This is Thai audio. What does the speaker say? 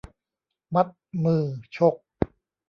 มัดมือชก